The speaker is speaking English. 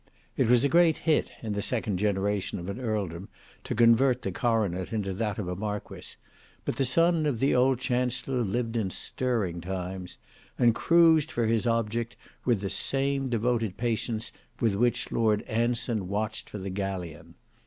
It was a great hit, in the second generation of an earldom, to convert the coronet into that of a marquis; but the son of the old chancellor lived in stirring times, and cruised for his object with the same devoted patience with which Lord Anson watched for the galleon.